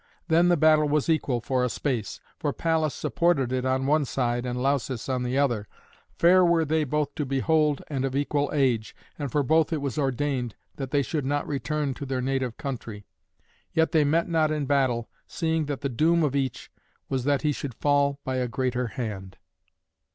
Then the battle was equal for a space, for Pallas supported it on the one side and Lausus on the other. Fair were they both to behold and of equal age, and for both it was ordained that they should not return to their native country. Yet they met not in battle, seeing that the doom of each was that he should fall by a greater hand.